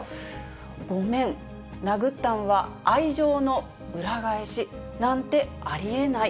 ゴメン、殴ったんは、愛情の裏返し。なんてあり得ない。